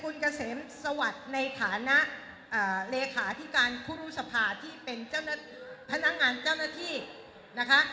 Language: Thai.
ในฐานเลขาที่การคุรุสภาที่เป็นเจ้าหน้าพนักงานเจ้าหน้าที่นะคะ